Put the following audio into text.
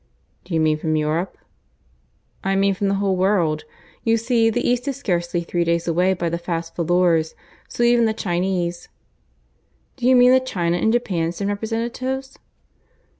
"Do you mean from Europe?" "I mean from the whole world. You see the East is scarcely three days away by the fast volors; so even the Chinese " "Do you mean that China and Japan send representatives?"